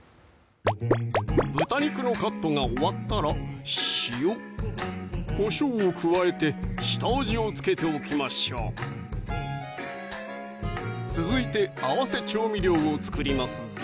豚肉のカットが終わったら塩・こしょうを加えて下味を付けておきましょう続いて合わせ調味料を作りますぞ